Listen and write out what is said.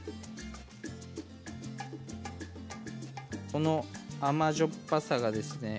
この甘じょっぱさがですね